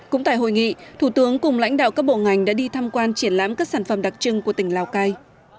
cũng tại hội nghị thủ tướng cùng lãnh đạo các bộ ngành đã đi tham quan triển lãm các sản phẩm đặc trưng của tỉnh lào cai